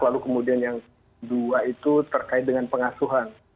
lalu kemudian yang dua itu terkait dengan pengasuhan